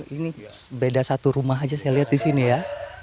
ini beda satu rumah aja saya lihat di sini ya